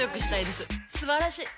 すばらしい！